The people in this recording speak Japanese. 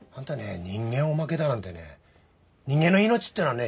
人間をおまけだなんてね人間の命っていうのはね